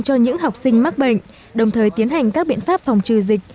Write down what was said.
cho những học sinh mắc bệnh đồng thời tiến hành các biện pháp phòng trừ dịch